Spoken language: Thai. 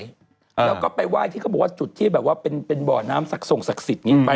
แล้วก็ไปไหว้ที่เขาบอกว่าจุดที่แบบว่าเป็นบ่อน้ำศักดิ์ส่งศักดิ์สิทธิ์ไป